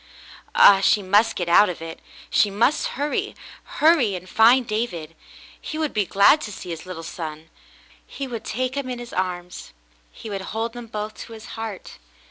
Ah, she must get out of it. She must hurry — hurry and find David. He would be glad to see his little son. He would take him in his arms. He would hold them both to his heart.